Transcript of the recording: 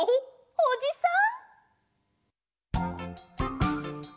おじさん？